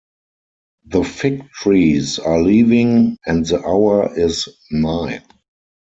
The fig trees are leaving and the hour is nigh.